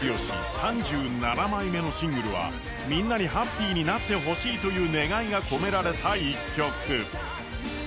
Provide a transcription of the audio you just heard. ３７枚目のシングルは、みんなにＨＡＰＰＹになってほしいという願いが込められた楽曲。